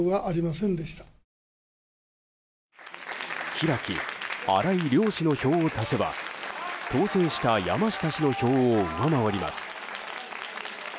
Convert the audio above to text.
平木、荒井両氏の票を足せば当選した山下氏の票を上回ります。